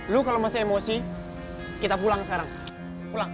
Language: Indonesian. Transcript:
lu kalau masih emosi kita pulang sekarang pulang